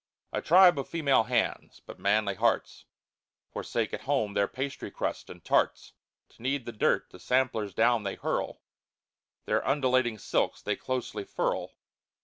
A tribe of female hands, but manly hearts, Forsake at home their pasty crust and tarts, To knead the dirt, the samplers down they hurl, Their undulating silks they closely furl.